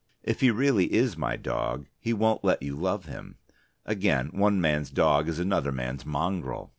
If he really is my dog, he won't let you love him. Again, one man's dog is another man's mongrel. Mr.